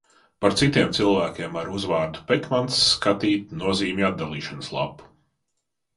Par citiem cilvēkiem ar uzvārdu Pekmans skatīt nozīmju atdalīšanas lapu.